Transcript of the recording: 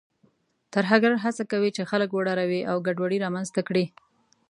ترهګر هڅه کوي چې خلک وډاروي او ګډوډي رامنځته کړي.